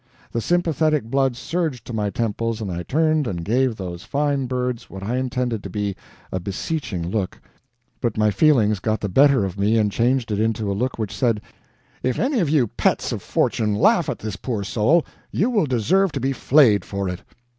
The sympathetic blood surged to my temples and I turned and gave those fine birds what I intended to be a beseeching look, but my feelings got the better of me and changed it into a look which said, "If any of you pets of fortune laugh at this poor soul, you will deserve to be flayed for it."